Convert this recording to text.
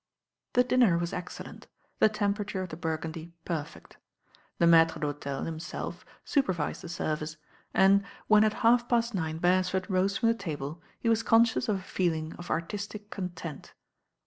The dinner was excellent, the temperature of the burgundy perfect. The maitre d'hote!, himself, supervised the service, and when at half past nine Beresford rose from the table, he was conscious of a feeling of artistic content.